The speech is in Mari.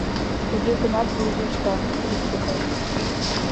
Туге гынат вуйжо ышта — бритве гай.